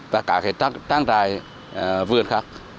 và cả cái trang rài vườn khác